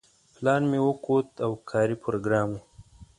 پلان مې وکوت او کاري پروګرام و.